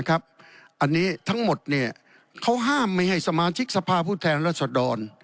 อันนี้ทั้งหมดเขาห้ามไม่ให้สมาชิกสภาพผู้แทนรัศดร